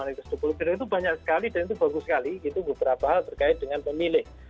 itu banyak sekali dan itu bagus sekali gitu beberapa hal terkait dengan pemilih